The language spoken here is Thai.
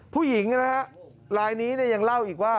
ผู้หญิงลายนี้แล้วอีกว่า